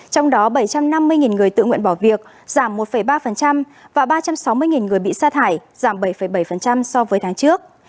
trong đó bảy trăm năm mươi người tự nguyện bỏ việc giảm một ba và ba trăm sáu mươi người bị xa thải giảm bảy bảy so với tháng trước